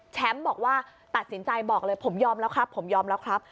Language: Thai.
บอกว่าตัดสินใจบอกเลยผมยอมแล้วครับผมยอมแล้วครับ